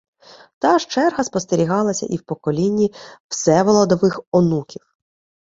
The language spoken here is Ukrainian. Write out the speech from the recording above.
Та ж черга спостерігалася і в поколінні Всеволодових онуків